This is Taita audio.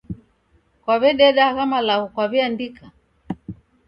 Kwaw'ededa agha malagho kwaw'eandika?